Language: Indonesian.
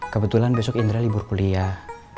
kebetulan besok indra libur kuliah